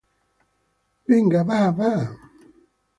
venga, va, va.